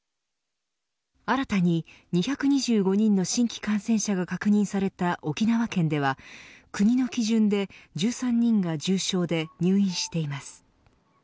新たに２２５人の新規感染者が確認された沖縄県では国の基準で１３人が重症で入院しています。